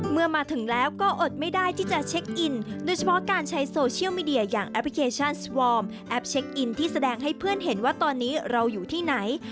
เมื่อมาถึงแล้วก็อดไม่ได้ที่จะเช็คอินโดยเฉพาะการใช้โซเชียลมีเดียอย่างแอปพลิเคชันสวอร์มแอปเช็คอินที่แสดงให้เพื่อนเห็นว่าตอนนี้เราอยู่ที่ไหน